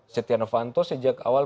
setia novanto sejak awal